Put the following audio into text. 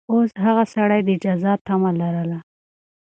اوس هغه سړي د جزا تمه لرله.